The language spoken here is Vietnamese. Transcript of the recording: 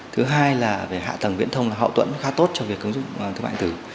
thứ hai là về hạ tầng viễn thông là hậu tuẫn khá tốt cho việc ứng dụng thương mại điện tử